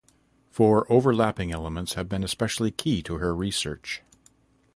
Four overlapping elements have been especially key to her research.